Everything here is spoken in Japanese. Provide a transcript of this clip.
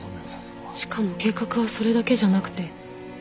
しかも計画はそれだけじゃなくて。